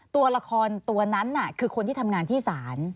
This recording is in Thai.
ตัวละครตัวนั้นคือคนที่ทำงานที่ศาล